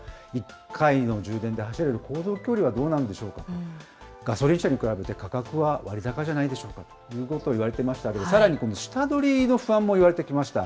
１回の充電で走れる航続距離はどうなんでしょうか、ガソリン車に比べて価格は割高じゃないでしょうかということを言われてきましたけれども、さらにこの下取りの不安もいわれてきました。